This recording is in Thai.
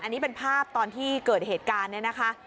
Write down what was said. อันนี้เป็นภาพตอนที่เกิดเหตุการณ์เนี่ยนะคะ